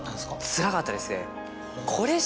つらかったですね。